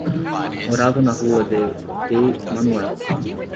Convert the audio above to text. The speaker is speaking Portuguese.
Morava na rua de D. Manoel.